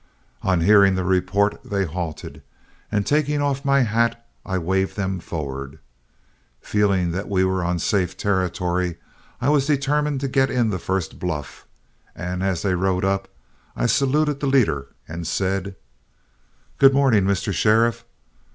On hearing the report, they halted, and taking off my hat I waved them forward. Feeling that we were on safe territory, I was determined to get in the first bluff, and as they rode up, I saluted the leader and said: "Good morning, Mr. Sheriff.